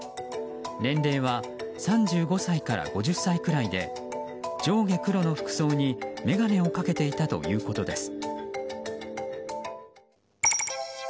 年齢は３５歳から５０歳くらいで上下黒の服装に眼鏡をかけていたということです。